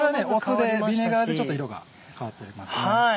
酢でビネガーでちょっと色が変わってますね。